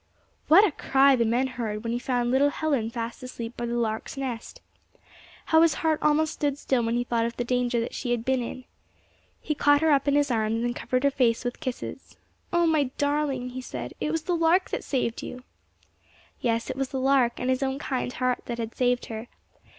What a cry the men heard when he found little Helen fast asleep by the lark's nest! How his heart almost stood still when he thought of the danger that she had been in! He caught her up in his arms and covered her face with kisses. "Oh, my darling!" he said, "it was the lark that saved you!" Yes, it was the lark, and his own kind heart, that had saved her.